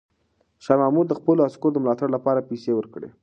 شاه محمود د خپلو عسکرو د ملاتړ لپاره پیسې ورکړې.